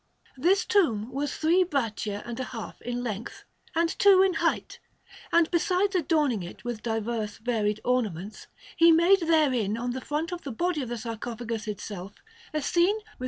This tomb was three braccia and a half in length, and two in height; and besides adorning it with diverse varied ornaments, he made therein on the front of the body of the sarcophagus itself a scene with S.